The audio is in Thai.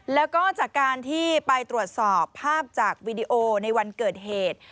แล้วก็จากการที่ไปตรวจสอบภาพจากวีดีโอในวันเกิดเหตุ